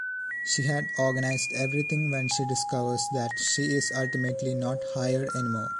She had organized everything when she discovers that she is ultimately not hired anymore.